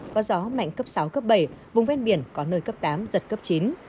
có gió mạnh cấp sáu cấp bảy vùng ven biển có nơi cấp tám giật cấp chín